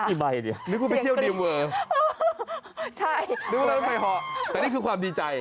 สิ่งใบเหรอนึกว่าไปเที่ยวดิมเวอร์นึกว่าเริ่มไปเฮาะแต่นี่คือความดีใจ